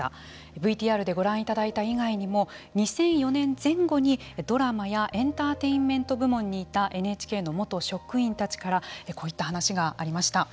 ＶＴＲでご覧いただいた以外にも２００４年前後にドラマやエンターテインメント部門にいたＮＨＫの元職員たちからこういった話がありました。